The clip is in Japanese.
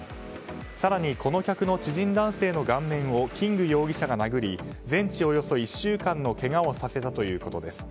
更に、この客の知人男性の顔面をキング容疑者が殴り全治およそ１週間のけがをさせたということです。